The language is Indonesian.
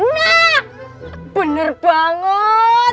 nah bener banget